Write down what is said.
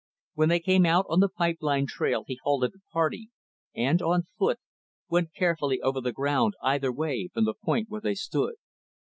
When they came out on the pipe line trail, he halted the party, and, on foot, went carefully over the ground either way from the point where they stood.